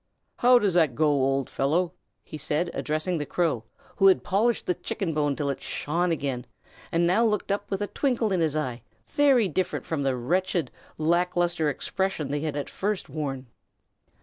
How does that go, old fellow?" he said, addressing the crow, who had polished the chicken bone till it shone again, and now looked up with a twinkle in his eyes very different from the wretched, lacklustre expression they had at first worn.